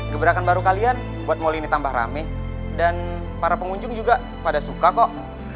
gebrakan baru kalian buat mall ini tambah rame dan para pengunjung juga pada suka kok